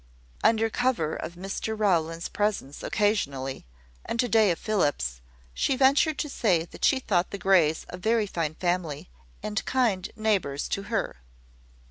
Under cover of Mr Rowland's presence occasionally, and to day of Philip's, she ventured to say that she thought the Greys a very fine family, and kind neighbours to her.